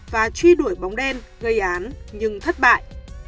và truy đuổi bóng đen gây án nhưng thất bại